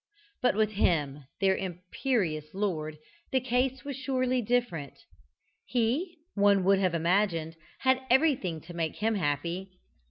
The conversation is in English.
But with him, their imperious lord, the case was surely different. He, one would have imagined, had everything to make him happy.